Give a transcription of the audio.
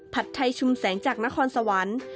ไทยชุมแสงจากนครสวรรค์